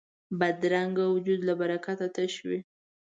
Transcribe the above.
بدرنګه وجود له برکته تش وي